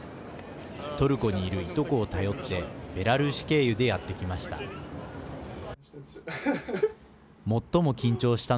トルコにいる、いとこを頼ってベラルーシ経由でやって来ました。